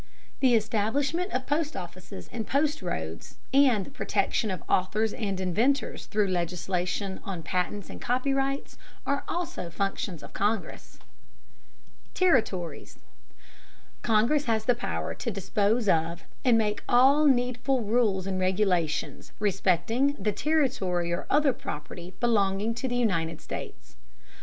The establishment of post offices and post roads, and the protection of authors and inventors through legislation on patents and copyrights, are also functions of Congress. Territories. Congress has the power to dispose of, and make all needful rules and regulations respecting, the territory or other property belonging to the United States.